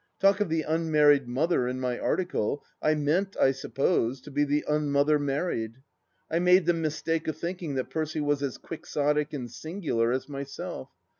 Talk of the Unmarried Mother in my article, I meant, I suppose, to be the Unmother Married ! I made the mistake of thinking that Percy was as quixotic and singular as myself.